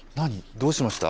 どうしました？